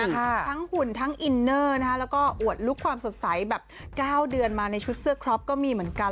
ทั้งหุ่นทั้งอินเนอร์แล้วก็อวดลุคความสดใสแบบ๙เดือนมาในชุดเสื้อครอปก็มีเหมือนกัน